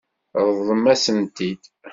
Ṛeḍlemt-asen-t-id.